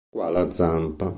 Qua la zampa!